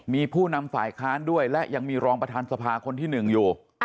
มีผู้นำฝ่ายค้านด้วยและยังมีรองประธานสภาคนที่๑อยู่